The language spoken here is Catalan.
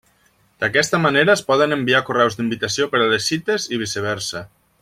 D'aquesta manera es poden enviar correus d'invitació per a les cites i viceversa.